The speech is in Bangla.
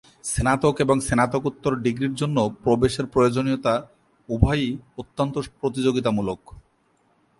স্নাতক এবং স্নাতকোত্তর ডিগ্রির জন্য প্রবেশের প্রয়োজনীয়তা উভয়ই অত্যন্ত প্রতিযোগিতামূলক।